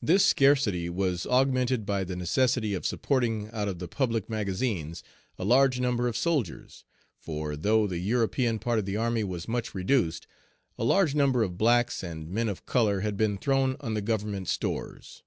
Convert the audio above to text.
This scarcity was augmented by the necessity of supporting out of he public magazines a large number of soldiers; for, though the European part of the army was much reduced, a large number of blacks and men of color had been thrown on the government stores.